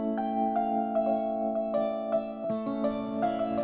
kita harus lembut